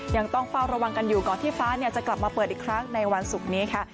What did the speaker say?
ยังต้องเฝ้าระวังกันอยู่ก่อนที่ฟ้าจะกลับมาเปิดอีกครั้งในวันศุกร์นี้ค่ะ